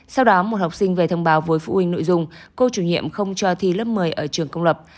sau đó một học sinh về thông báo với phụ huynh nội dung cô chủ nhiệm không cho thi lớp một mươi ở trường công lập